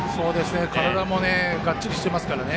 体もがっちりしてますし。